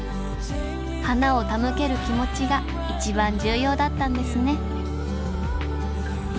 花を手向ける気持ちが一番重要だったんですね